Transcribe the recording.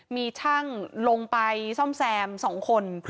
มีช่างลงไปซ่อมแซม๒คน